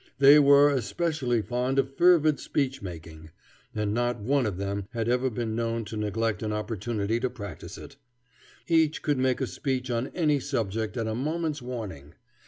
They were especially fond of fervid speech making, and not one of them had ever been known to neglect an opportunity to practice it; each could make a speech on any subject at a moment's warning.